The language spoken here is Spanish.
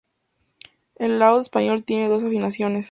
El laúd español tiene dos afinaciones.